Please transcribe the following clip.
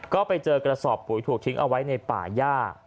ก็ไปเจอกระสอบปุ๋ยถูกทิ้งเอาไว้ในป่าย่า